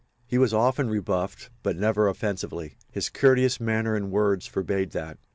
He was often rebuffed but never offensively. His courteous manner and words forbade that.